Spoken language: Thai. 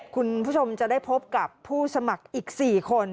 คุณผู้ชมจะได้พบกับผู้สมัครอีก๔คน